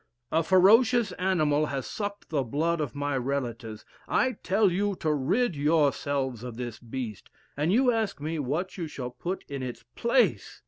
A ferocious animal has sucked the blood of my relatives. I tell you to rid yourselves of this beast, and you ask me what you shall put in its place!